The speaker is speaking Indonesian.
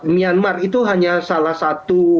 myanmar itu hanya salah satu